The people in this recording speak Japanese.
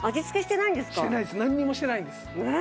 なんにもしてないんです。